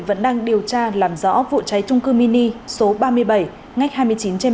vẫn đang điều tra làm rõ vụ cháy trung cư mini số ba mươi bảy ngách hai mươi chín trên bảy mươi